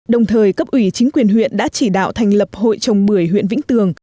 đồng thời cấp ủy chính quyền huyện đã chỉ đạo thành lập hội trồng bưởi huyện vĩnh tường